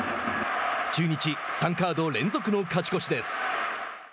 中日、３カード連続の勝ち越しです。